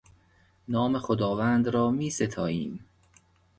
نام خداوند را میستاییم.